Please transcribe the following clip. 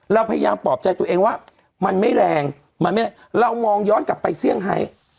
เราพยายามปลอบใจตัวเองว่ามันไม่แรงมันไม่แรงเรามองย้อนกลับไปเซี่ยงไฮ